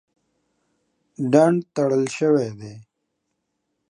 ډنډ تړل شوی دی.